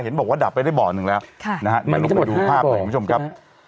บอกว่าดับไปได้บ่อหนึ่งแล้วเดี๋ยวเราไปดูภาพหน่อยคุณผู้ชมครับ